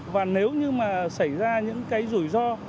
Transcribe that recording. và nếu như mà xảy ra những cái rủi ro